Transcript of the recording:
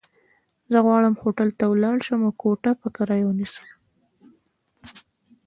زه غواړم هوټل ته ولاړ شم، او کوټه په کرايه ونيسم.